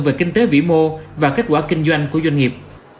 về kinh tế vĩ mô và kết quả kinh doanh của doanh nghiệp